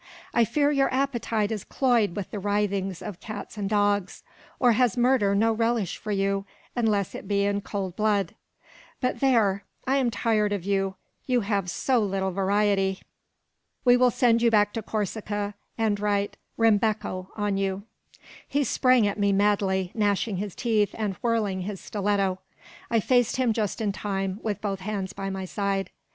"I fear your appetite is cloyed with the writhings of cats and dogs. Or has murder no relish for you, unless it be in cold blood? But there, I am tired of you: you have so little variety. We will send you back to Corsica, and write 'Rimbecco' on you." He sprang at me madly, gnashing his teeth, and whirling his stiletto. I faced him just in time, with both hands by my side.